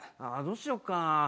どうしようかな？